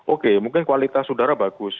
oke mungkin kualitas udara bagus